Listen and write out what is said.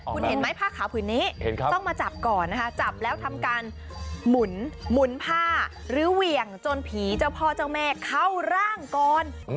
คุณเห็นไหมผ้าขาวผืนนี้ต้องมาจับก่อนนะคะจับแล้วทำการหมุนผ้าหรือเหวี่ยงจนผีเจ้าพ่อเจ้าแม่เข้าร่างก่อน